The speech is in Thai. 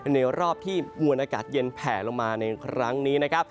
ในรอบที่มวลอากาศเย็นแผ่ลงมาในครั้งนี้นะครับ